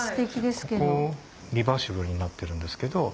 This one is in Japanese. ここリバーシブルになってるんですけど。